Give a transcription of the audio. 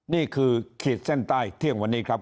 ขีดเส้นใต้เที่ยงวันนี้ครับ